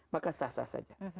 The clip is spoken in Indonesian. maka sah sah saja